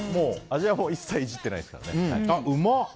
味は一切いじってないですからね。